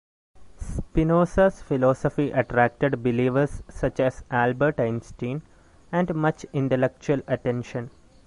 Spinoza's philosophy attracted believers such as Albert Einstein and much intellectual attention.